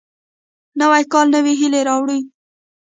نوی کال نوې هیلې راوړي